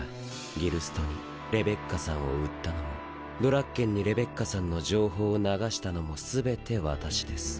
ギルストにレベッカさんを売ったのもドラッケンにレベッカさんの情報を流したのも全て私です。